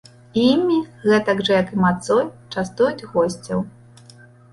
Імі, гэтак жа, як і мацой, частуюць госцяў.